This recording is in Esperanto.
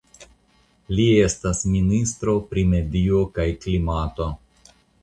Li estas ministro pri medio kaj klimato.